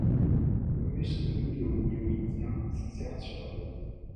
Le muscle mylo-hyoïdien s'insère sur elle.